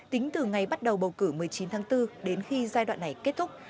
tính từ ngày bắt đầu bầu cử một mươi chín tháng bốn đến khi giai đoạn này kết thúc